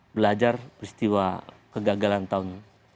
belajar peristiwa kegagalan tahun seribu sembilan ratus enam puluh enam